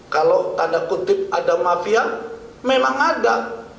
kalau tanda kutip ada mafia memang ada